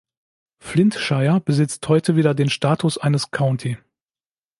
Flintshire besitzt heute wieder den Status eines County.